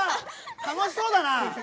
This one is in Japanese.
楽しそうだな。